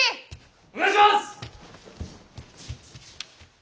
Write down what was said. お願いします！